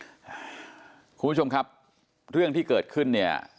คุณผู้ชมครับเรื่องที่เกิดขึ้นเนี่ย